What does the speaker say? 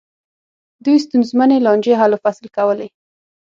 دوی ستونزمنې لانجې حل و فصل کولې.